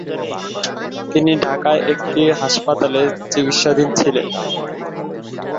তিনি ঢাকার একটি হাসপাতালে চিকিৎসাধীন ছিলেন।